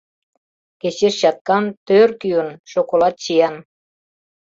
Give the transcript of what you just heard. Кечеш чаткан, тӧр кӱын, шоколад чиян.